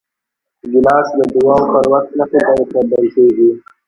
ګیلاس د دعاو پر وخت مخې ته ایښودل کېږي.